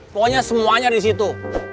pokoknya semuanya di situ